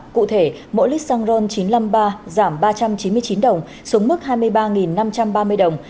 cụ thể mỗi lít xăng ron chín trăm năm mươi ba giảm ba trăm chín mươi chín đồng xuống mức hai mươi ba năm trăm ba mươi đồng